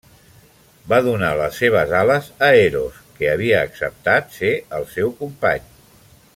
Va donar les seves ales a Eros, que havia acceptat ser el seu company.